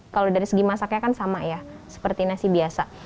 kalau dari segi masaknya kan sama ya seperti nasi biasa